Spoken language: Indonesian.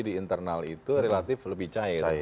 di internal itu relatif lebih cair